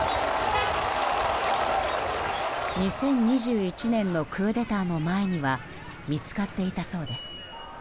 ２０２１年のクーデターの前には見つかっていたそうです。